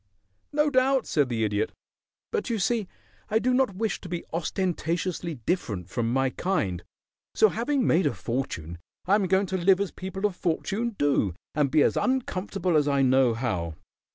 "No doubt," said the Idiot. "But you see I do not wish to be ostentatiously different from my kind, so having made a fortune I am going to live as people of fortune do and be as uncomfortable as I know how."